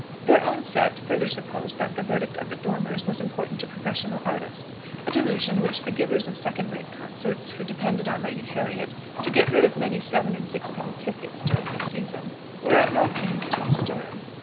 Their own set further supposed that the verdict of the Dormers was important to professional artists: a delusion which the givers of second rate concerts, who depended on Lady Harriet to get rid of many seven and sixpenny tickets during the season, were at no pains to disturb.